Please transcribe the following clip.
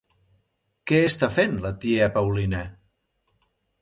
Què està fent la tia Paulina?